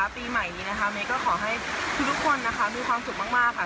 ปีใหม่นี้แมก็ขอให้ทุกคนดูความสุขมากค่ะ